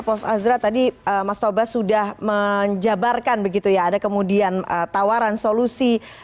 prof azra tadi mas tobas sudah menjabarkan begitu ya ada kemudian tawaran solusi